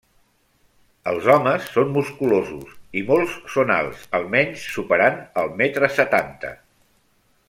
Els homes són musculosos i molts són alts, almenys superant el metre setanta.